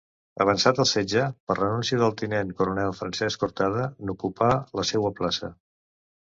Avançat el setge, per renúncia del tinent coronel Francesc Cortada, n'ocupà la seua plaça.